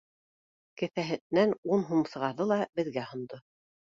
Кеҫәһенән ун һум сығарҙы ла, беҙгә һондо.